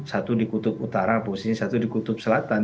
satu di kutub utara posisinya satu di kutub selatan